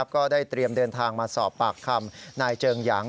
ก็ได้เตรียมเดินทางมาสอบปากคำนายเจิงหยาง